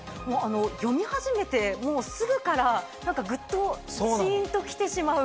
読み始めてすぐからグッとジンときてしまう。